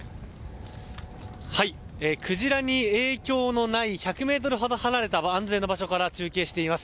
クジラに影響のない１００ｍほど離れた安全な場所から中継しています。